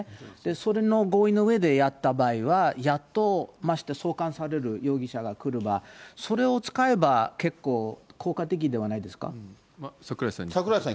それの合意のうえでやった場合は、やっと、まして送還される容疑者が来れば、それを使えば結構、櫻井さんに。